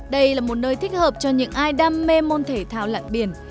đây là một nơi thích hợp cho những ai đam mê môn thể thao lặn biển